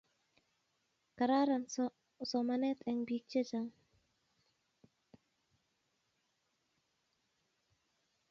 Kararan somanet en pik che chong